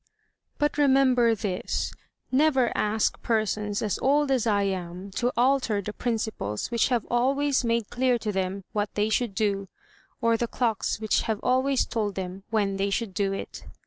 But remember this: never ask persons as old as I am to alter the principles which have always made clear to them what they should do, or the clocks which have always told them when they should do it."